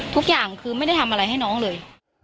ทุกอย่างคือไม่ได้ทำอะไรให้น้องเลย